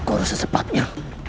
aku harus secepatnya